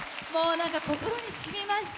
心にしみました。